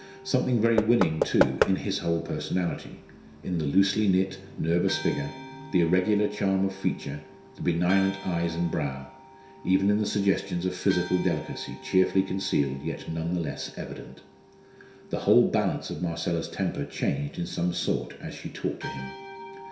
Something very winning, too, in his whole personality in the loosely knit, nervous figure, the irregular charm of feature, the benignant eyes and brow even in the suggestions of physical delicacy, cheerfully concealed, yet none the less evident. The whole balance of Marcella's temper changed in some sort as she talked to him.